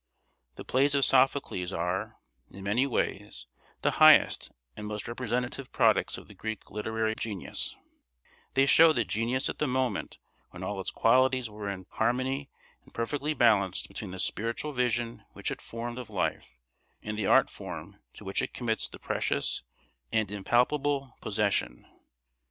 The plays of Sophocles are, in many ways, the highest and most representative products of the Greek literary genius; they show that genius at the moment when all its qualities were in harmony and perfectly balanced between the spiritual vision which it formed of life, and the art form to which it commits that precious and impalpable possession.